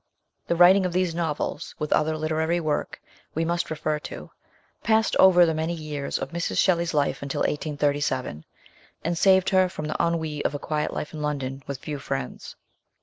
THE writing of these novels, with other literary work we must refer to, passed over the many years of Mrs. Shelley's life until 1837, and saved her from the ennui of a quiet life in London with few friends.